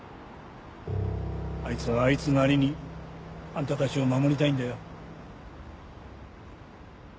あいつはあいつなりにあんたたちを守りたいんだよ。